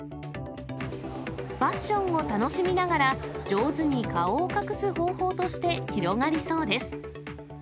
ファッションを楽しみながら、上手に顔を隠す方法として広がりそうです。